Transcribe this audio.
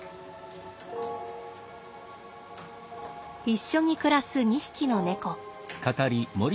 一緒に暮らす２匹の猫。